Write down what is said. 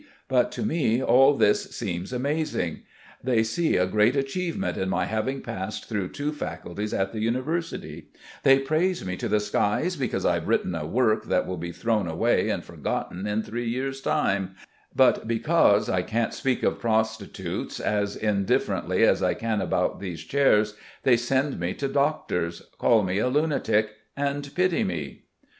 But to me all this seems amazing. They see a great achievement in my having passed through two faculties at the university; they praise me to the skies because I have written a work that will be thrown away and forgotten in three years' time, but became I can't speak of prostitutes as indifferently as I can about these chairs, they send me to doctors, call me a lunatic, and pity me."